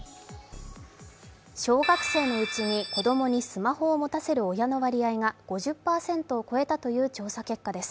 小学生のうちに子供にスマホを持たせる親の割合が５０％を超えたという調査結果です。